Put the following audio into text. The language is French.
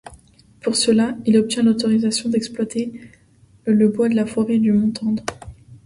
Pour cela, il obtient l'autorisation d'exploiter le bois de la forêt du mont Tendre.